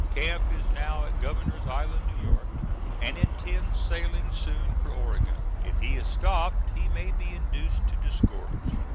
Camp is now at Governor's Island, N.Y., and intends sailing soon for Oregon. If he is stopped he may be induced to disgorge.